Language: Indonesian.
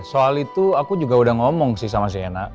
soal itu aku juga udah ngomong sih sama siena